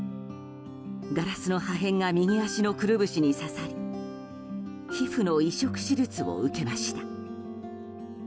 ガラスの破片が右足のくるぶしに刺さり皮膚の移植手術を受けました。